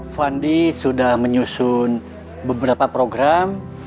fandi sudah menyusun beberapa program